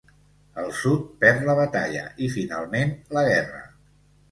El Sud perd la batalla i, finalment, la guerra.